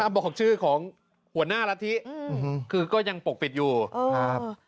ห้ามบอกของชื่อของหัวหน้ารัฐิอืมคือก็ยังปกปิดอยู่เออครับ